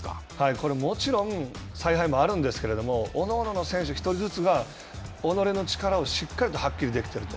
これもちろん采配もあるんですけれども、おのおのの選手１人ずつが己の力をしっかり発揮できていると。